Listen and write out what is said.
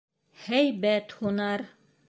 — Һәйбәт һунар!